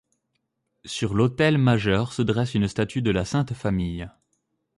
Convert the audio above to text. Sur l'autel majeur se dresse une statue de la Sainte Famille.